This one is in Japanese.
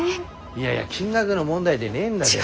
いやいや金額の問題でねえんだでば。